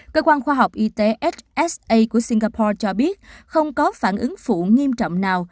cơ quan khoa học y tế ssa của singapore cho biết không có phản ứng phụ nghiêm trọng nào